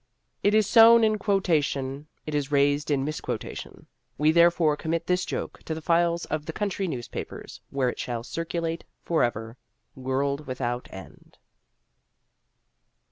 It is sown in quotation, it is raised in misquotation: We therefore commit this joke to the files of the country newspapers, where it shall circulate forever, world without end.